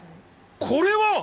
これは！